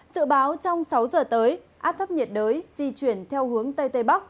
dự báo trong sáu giờ tới áp thấp nhiệt đới di chuyển theo hướng tây tây bắc